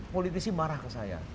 politisi marah ke saya